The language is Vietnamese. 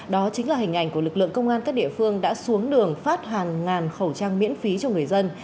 đó chính là hình ảnh của lực lượng công an các địa phương đã xuống đường phát hàng ngàn khẩu trang miễn phí cho người dân